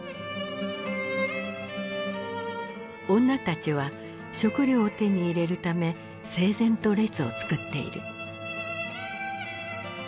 女たちは食料を手に入れるため整然と列を作っている。